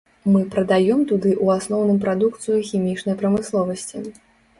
Мы прадаём туды ў асноўным прадукцыю хімічнай прамысловасці.